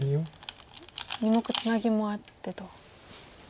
２目ツナギもあってと。